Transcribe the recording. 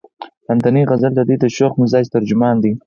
لاندينے غزل د دوي د شوخ مزاج ترجمان دے ۔